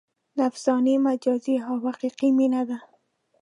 نفساني، مجازي او حقیقي مینه ده.